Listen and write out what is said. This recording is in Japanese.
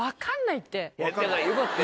だからよかったよ。